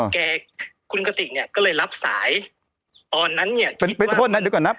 แกคุณกติกเนี่ยก็เลยรับสายตอนนั้นเนี่ยไปโทษนะเดี๋ยวก่อนนะ